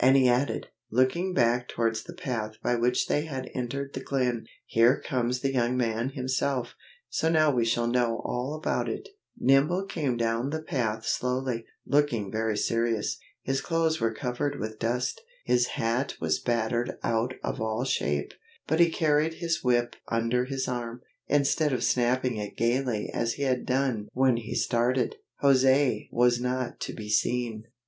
he added, looking back towards the path by which they had entered the glen, "here comes the young man himself, so now we shall know all about it." Nibble came down the path slowly, looking very serious. His clothes were covered with dust, his hat was battered out of all shape, and he carried his whip under his arm, instead of snapping it gayly as he had done when he started. José was not to be seen.